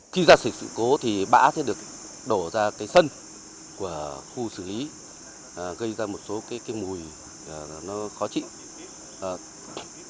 khi ra sự cố thì bã sẽ được đổ ra cái sân của khu xử lý gây ra một số cái mùi nó khó chịu